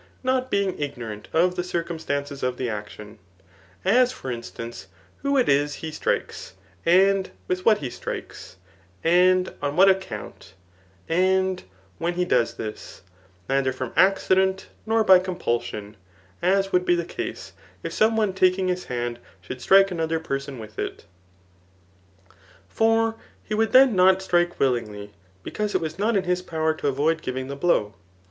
not being ignorant of the circumstances of the action; as for instance, who it is he strikes^ and with what he strikes, and on what account, and when he does this, neither from accident, nor by t:om}:fulsion ; as would be the case, if some one taking his hand, should strike another person with it. For he would then not strike willingly, because it was not in his power to avoid givmg the blow.